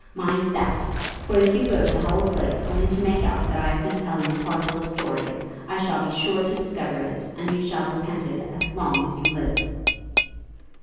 Mind that! for if you go to Howel Place only to make out that I have been telling a parcel of stories, I shall be sure to discover it, and you shall repent it as long as you live.'